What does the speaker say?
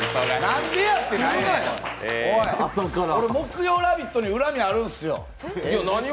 俺、木曜「ラヴィット！」に恨みあるんすよ。